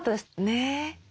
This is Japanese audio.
ねえ。